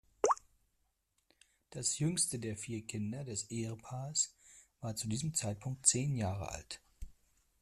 Das jüngste der vier Kinder des Ehepaares war zu diesem Zeitpunkt zehn Jahre alt.